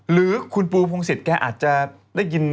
หรือคุณปูพงศิษย์แกอาจจะได้ยิน